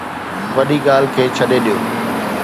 وڏي ڳالهه کي ڇڏي ڏيو.